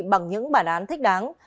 bằng những bản án thích đáng